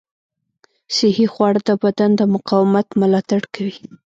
صحي خواړه د بدن د مقاومت ملاتړ کوي.